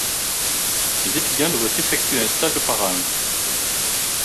Les étudiants doivent effectuer un stage par an.